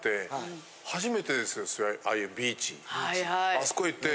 あそこ行って。